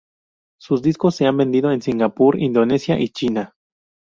Sus discos se han vendido en Singapur, Indonesia y China.